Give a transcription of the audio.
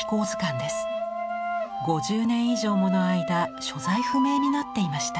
５０年以上もの間所在不明になっていました。